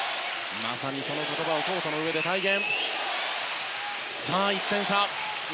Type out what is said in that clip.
まさにその言葉をコートの上で体現。